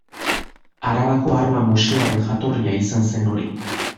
Arabako Arma Museoaren jatorria izan zen hori.